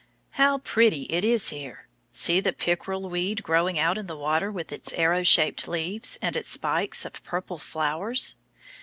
How pretty it is here! See the pickerel weed growing out in the water with its arrow shaped leaves, and its spikes of purple flowers.